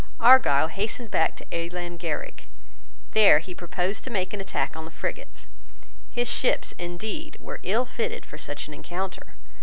Argyle hastened back to Ealan Ghierig. There he proposed to make an attack on the frigates. His ships, indeed, were ill fitted for such an encounter.